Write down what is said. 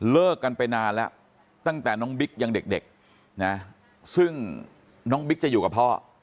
เลิกกันไปนานแล้วตั้งแต่น้องบิ๊กยังเด็กนะซึ่งน้องบิ๊กจะอยู่กับพ่อ